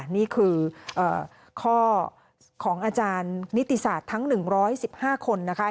นี่คือข้อของอาจารย์นิติศาสตร์ทั้ง๑๑๕คนนะคะ